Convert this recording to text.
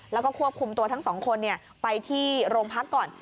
แล้วก็ควบคุมตัวทั้งสองคนไปที่โรงพักก่อน